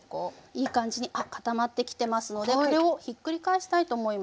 いい感じにあっ固まってきてますのでこれをひっくり返したいと思います。